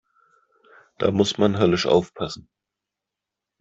Da muss man höllisch aufpassen.